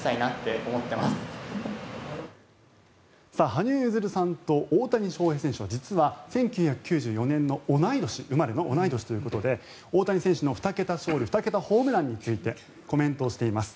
羽生結弦さんと大谷翔平選手は実は１９９４年生まれの同い年ということで大谷選手の２桁勝利２桁ホームランについてコメントをしています。